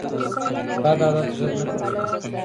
بد عادت ژر نه پرېښودل کېږي